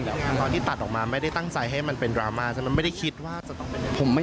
ตรงนี้ตัดออกแรงไม่ได้ตั้งใส่ให้มันเป็นดราม่าผมไม่ได้คิดว่าจะต้องเป็นไร